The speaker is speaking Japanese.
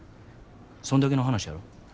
そんだけの話やろ。